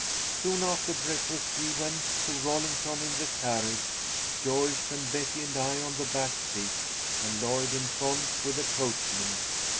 Soon after breakfast we went to Rollington in the carriage, Joyce and Betty and I on the back seat, and Lloyd in front with the coachman.